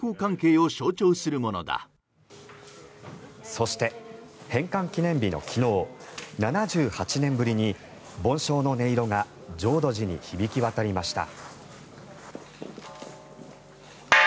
そして返還記念日の昨日７８年ぶりに梵鐘の音色が浄土寺に響き渡りました。